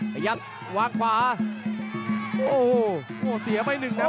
ขยับวางขวาโอ้โหเสียไปหนึ่งครับ